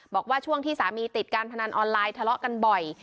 บอกว่าช่วงที่สามีติดการพนันออนไลน์ทะเลาะกันบ่อย